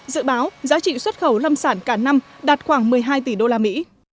dự báo giá trị xuất khẩu lâm sản cả năm đạt khoảng một mươi hai tỷ usd